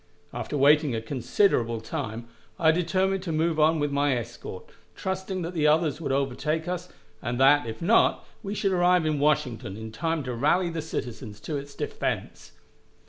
After waiting a considerable time, I determined to move on with my escort, trusting that the others would overtake us, and that, if not, we should arrive in Washington in time to rally the citizens to its defense.